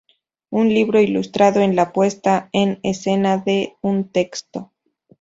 Un libro ilustrado es la puesta en escena de un texto.